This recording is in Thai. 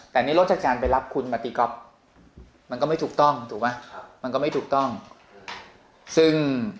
แต่ในรถจากการไปรับคุณมาตีก๊อฟมันก็ไม่ถูกต้องถูกไหมมันก็ไม่ถูกต้องซึ่ง